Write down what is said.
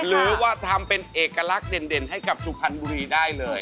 หรือว่าทำเป็นเอกลักษณ์เด่นให้กับสุพรรณบุรีได้เลย